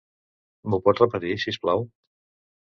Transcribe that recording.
Mho pot repetir, si us plau?